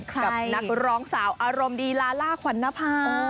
กับนักร้องสาวอารมณ์ดีลาล่าขวัญนภา